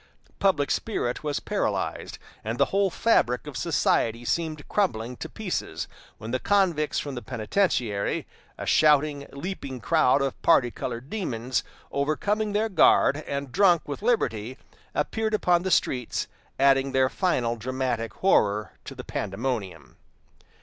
Public spirit was paralyzed, and the whole fabric of society seemed crumbling to pieces, when the convicts from the penitentiary, a shouting, leaping crowd of party colored demons, overcoming their guard, and drunk with liberty, appeared upon the streets, adding their final dramatic horror to the pandemonium.